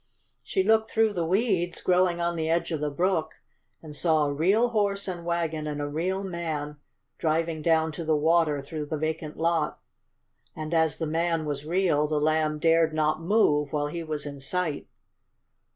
She looked through the weeds growing on the edge of the brook and saw a real horse and wagon and a real man driving down to the water through the vacant lot. And as the man was real the Lamb dared not move while he was in sight.